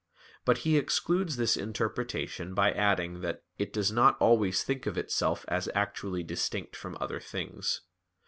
But he excludes this interpretation by adding that "it does not always think of itself as actually distinct from other things."